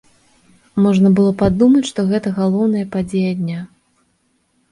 Можна было падумаць, што гэта галоўная падзея дня.